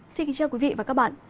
xin kính chào quý vị và các bạn